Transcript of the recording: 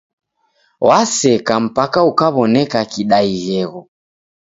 Waseka, mpaka ukaw'oneka kidaighegho.